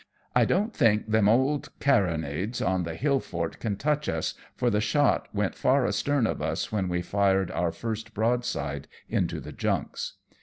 I don't think them old carronades on the hill fort can touch us, for the shot went far astern of us when we fired our first broadside into the junks."